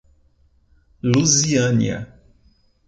Luziânia